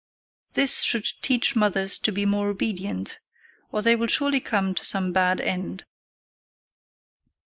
This should teach mothers to be more obedient, or they will surely come to some bad end.